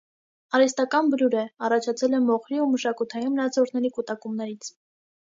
Արհեստական բլուր է, առաջացել է մոխրի ու մշակութային մնացորդների կուտակումներից։